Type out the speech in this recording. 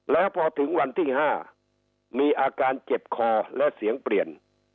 แล้วพอถึงวันที่๕มีอาการเจ็บคอและเสียงเปลี่ยน